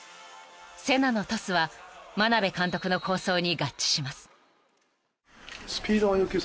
［セナのトスは眞鍋監督の構想に合致します］